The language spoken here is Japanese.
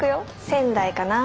仙台かな。